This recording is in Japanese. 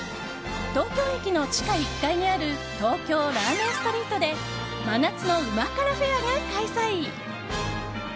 東京駅の地下１階にある東京ラーメンストリートで真夏の旨辛フェアが開催。